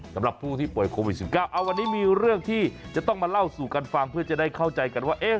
สำหรับผู้ที่ป่วยโควิด๑๙วันนี้มีเรื่องที่จะต้องมาเล่าสู่กันฟังเพื่อจะได้เข้าใจกันว่า